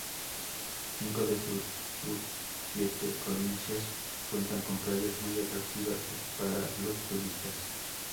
Cinco de sus Sus siete provincias cuentan con playas muy atractivas para los turistas.